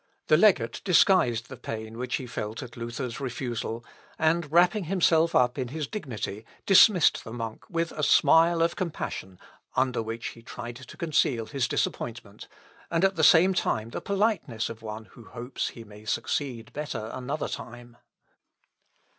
The legate disguised the pain which he felt at Luther's refusal, and, wrapping himself up in his dignity, dismissed the monk with a smile of compassion, under which he tried to conceal his disappointment, and at the same time the politeness of one who hopes he may succeed better another time.